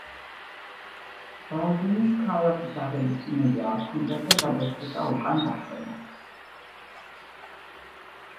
ბალდუინს ქალაქის აღების იმედი არ ჰქონდა და გადაწყვიტა უკან დახევა.